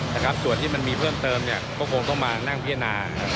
นะครับส่วนที่มันมีเพิ่มเติมเนี่ยก็คงต้องมานั่งพิจารณา